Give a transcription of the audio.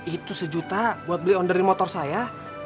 itu sejuta buat beli onder motor saya